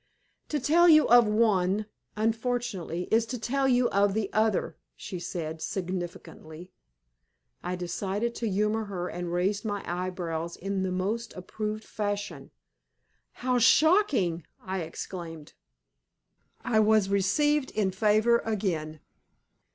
"To tell you of one, unfortunately, is to tell you of the other," she said, significantly. I decided to humor her, and raised my eyebrows in the most approved fashion. "How shocking!" I exclaimed. I was received in favor again.